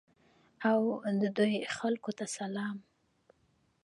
او د دوی خلکو ته سلام.